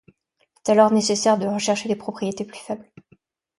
Il est alors nécessaire de rechercher des propriétés plus faibles.